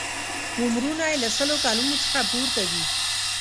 عمرونه یې له سلو کالونو څخه پورته دي.